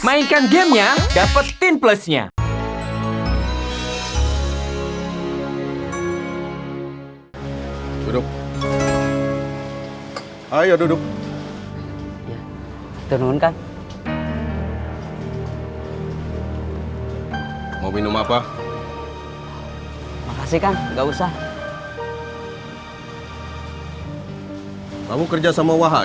mainkan gamenya dapetin plusnya